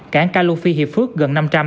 cảng calofi hiệp phước gần năm trăm linh